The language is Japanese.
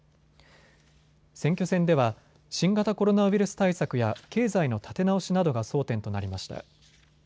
選挙戦では新型コロナウイルス対策や経済の立て直しなどが争点となりました。